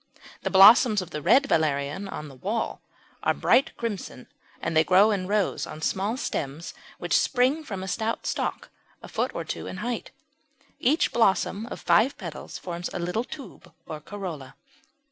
The blossoms of the Red Valerian on the wall are bright crimson, and they grow in rows on small stems which spring from a stout stalk a foot or two in height. Each blossom of five petals forms a little tube or corolla.